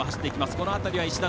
この辺りは石畳。